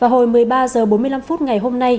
hồi một mươi ba h bốn mươi năm phút ngày hôm nay